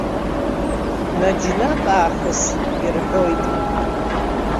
Наџьнатә аахыс ирҳәоит.